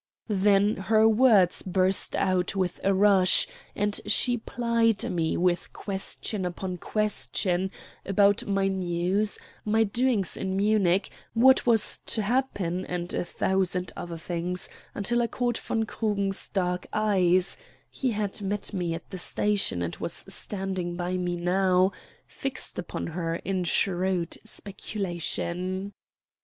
Then her words burst out with a rush, and she plied me with question upon question about my news, my doings in Munich, what was to happen, and a thousand other things, until I caught von Krugen's dark eyes he had met me at the station and was standing by me now fixed upon her in shrewd speculation.